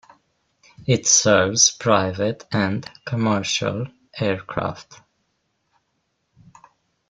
It serves private and commercial aircraft.